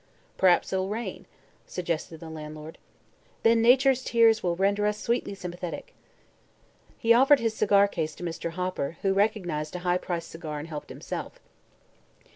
"P'r'aps it'll rain," suggested the landlord. "Then Nature's tears will render us sweetly sympathetic." He offered his cigar case to Mr. Hopper, who recognized a high priced cigar and helped himself.